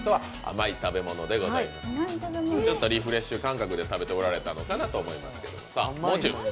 ちょっとリフレッシュ感覚で食べておられたのかなと思いますけど。